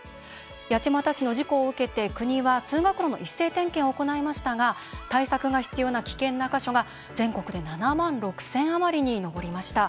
八街市の事故を受けて国は通学路の一斉点検を行いましたが対策が必要な危険な箇所が全国で７万６０００余りに上りました。